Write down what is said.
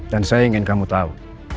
dan saya ingin kamu tau